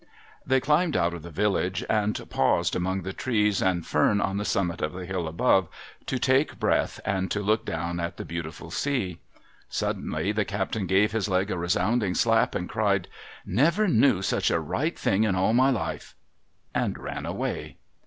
They climbed out of the village, and paused among the trees and fern on the summit of the hill above, to take breath, and to look down at the beautiful sea. Suddenly the captain gave his leg a resounding slap, and cried, ' Never knew such a right thing in all my life !'— and ran away.